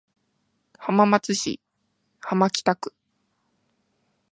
浜松市浜北区